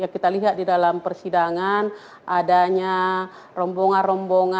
kita lihat di dalam persidangan adanya rombongan rombongan